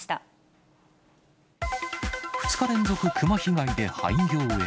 ２日連続熊被害で廃業へ。